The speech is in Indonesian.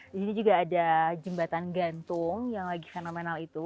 di sini juga ada jembatan gantung yang lagi fenomenal itu